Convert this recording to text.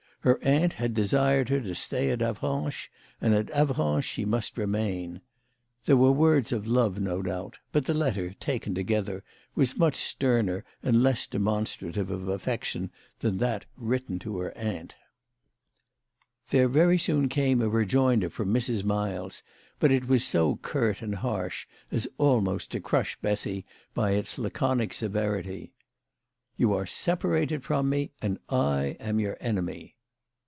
Her aunt had desired her to stay at Avranches, and at Avranches she must remain. There were words of love, no doubt ; but the letter, taken altogether, was much sterner and less demonstrative of affection than that written to her aunt. THE LADY OF LAUNAY. 171 There very soon came a rejoinder from Mrs. Miles, but it was so curt and harsh as almost to crush Bessy by its laconic severity. "You are separated from me, and I am your enemy."